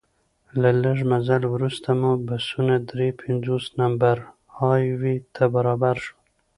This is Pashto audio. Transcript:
له لږ مزل وروسته مو بسونه درې پنځوس نمبر های وې ته برابر شول.